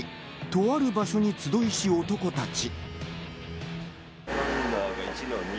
とある場所に集いし男たち。